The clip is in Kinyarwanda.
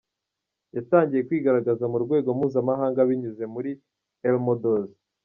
Yatangiye kwigaragaza ku rwego mpuzamahanga binyuze muri L Models.